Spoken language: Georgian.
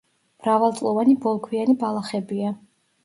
მრავალწლოვანი ბოლქვიანი ბალახებია.